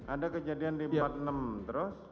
ada kejadian di empat puluh enam terus